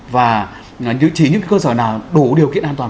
và chỉ những cơ sở nào đủ điều kiện an toàn